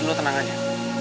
jadi lu tenang aja